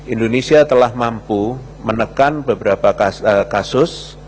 indonesia telah mampu menekan beberapa kasus